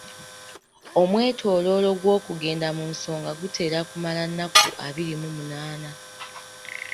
Omwetooloolo gw'okugenda mu nsonga gutera kumala nnaku abiri mu munaana.